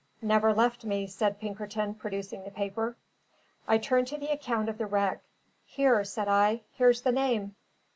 "Never left me," said Pinkerton, producing the paper. I turned to the account of the wreck. "Here," said I; "here's the name.